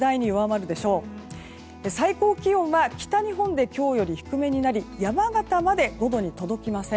最高気温は北日本で今日より低めになり山形まで５度に届きません。